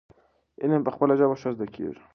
علم په خپله ژبه ښه زده کيږي.